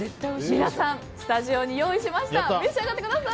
皆さん、スタジオに用意しました。